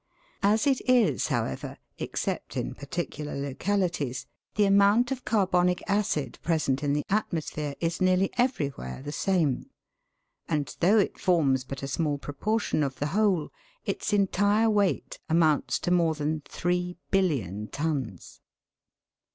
As it is, however, except in particular localities, the amount of carbonic acid present in the atmosphere is nearly everywhere the same, and though it forms but a small proportion of the whole, its entire weight amounts to more than three billion tons.